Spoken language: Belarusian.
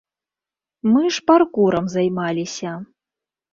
Мы ж паркурам займаліся.